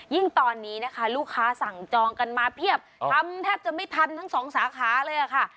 ยิ่งตอนนี้นะคะลูกค้าสั่งจองกันมาเพียบทำแทบจะไม่ทันทั้งสองสาขาเลยค่ะ